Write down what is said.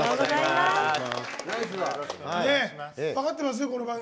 分かってますね、この番組。